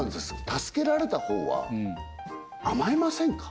助けられた方は甘えませんか？